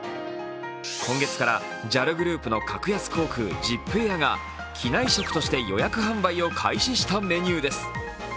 今月からＪＡＬグループの格安航空ジップエアが機内食として予約販売を開始したメニューです。